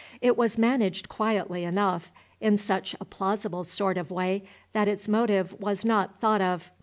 It was managed quietly enough, in such a plausible sort of way that its motive was not thought of.